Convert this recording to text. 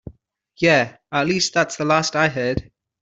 Yeah, at least that's the last I heard.